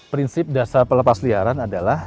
prinsip dasar pelepasliaran adalah